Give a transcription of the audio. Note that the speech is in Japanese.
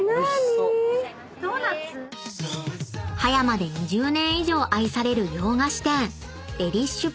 ［葉山で２０年以上愛される洋菓子店］